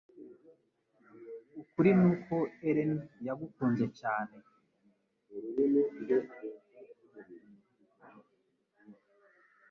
Ukuri nuko, Ellen yagukunze cyane.